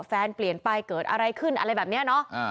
เปลี่ยนไปเกิดอะไรขึ้นอะไรแบบนี้เนาะ